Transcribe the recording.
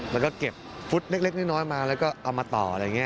แล้วก็เก็บฟุตเล็กน้อยมาแล้วก็เอามาต่ออะไรอย่างนี้